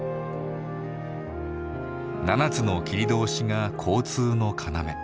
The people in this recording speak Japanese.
７つの切通が交通の要。